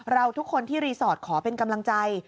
เราทุกคนที่รีสอร์ทขอเป็นกำลังใจ